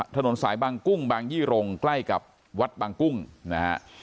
ถนนสายบางกุ้งบางยี่รงใกล้กับวัดบางกุ้งนะฮะ